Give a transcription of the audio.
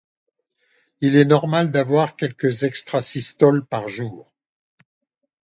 Il est normal d'avoir quelques extrasystoles par jour.